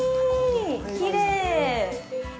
きれい。